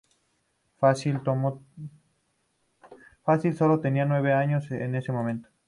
Fazil solo tenía nueve años en ese momento.